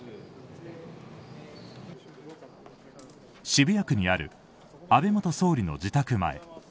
渋谷区にある安倍元総理の自宅前。